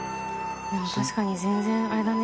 でも確かに全然あれだね。